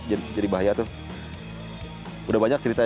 udah banyak cerita soal kayak gitu yang jatuh kena orang